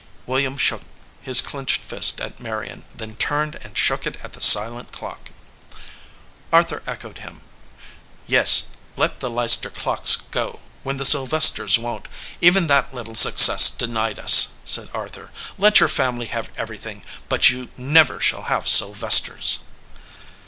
William shook his clenched fist at Marion, then turned and shook it at the silent clock. THE VOICE OF THE CLOCK Arthur echoed him "Yes, let the Leicester clocks go, when the Sylvesters won t; even that little success denied us," said Arthur. "Let your family have everything, but you never shall have Sylvesters."